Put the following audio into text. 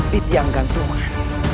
di tiang gantungan